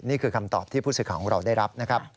นี่คือคำตอบที่ผู้ศึกข่าวของเราได้รับ